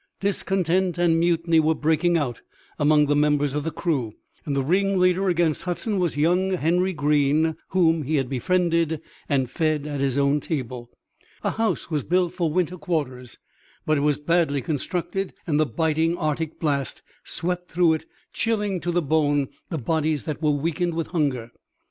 Discontent and mutiny were breaking out among the members of the crew, and the ringleader against Hudson was young Henry Greene whom he had befriended and fed at his own table. A house was built for winter quarters, but it was badly constructed and the biting Arctic blast swept through it, chilling to the bone the bodies that were weakened with hunger.